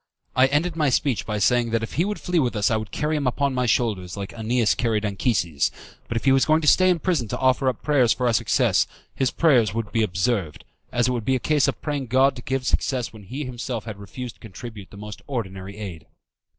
I ended my speech by saying that if he would flee with us I would carry him upon my back like AEneas carried Anchises; but if he was going to stay in prison to offer up prayers for our success, his prayers would be observed, as it would be a case of praying God to give success when he himself had refused to contribute the most ordinary aid.